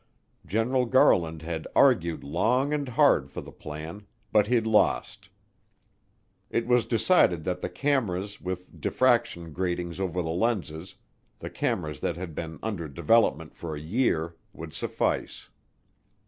General Garland had argued long and hard for the plan, but he'd lost. It was decided that the cameras with diffraction gratings over the lenses, the cameras that had been under development for a year, would suffice.